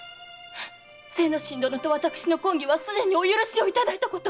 精之進殿と私の婚儀は既にお許しをいただいたこと。